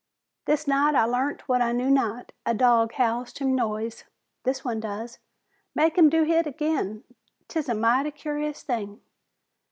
"This night I learn't what I knew not. A dog howls to noise." "This one does." "Make him do hit ag'in. 'Tis a mighty curious thing."